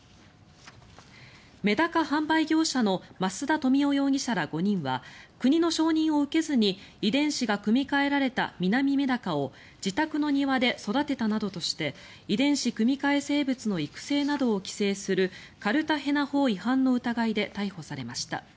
メダカ販売業者の増田富男容疑者ら５人は国の承認を受けずに遺伝子が組み換えられたミナミメダカを自宅の庭で育てたなどとして遺伝子組み換え生物の育成などを規制するカルタヘナ法違反の疑いで逮捕されました。